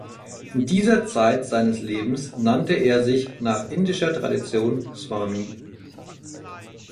In dieser Zeit seines Lebens nannte er sich nach indischer Tradition "Swami".